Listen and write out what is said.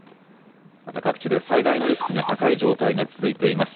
また各地で災害のリスクが高い状態が続いています。